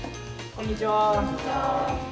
こんにちは。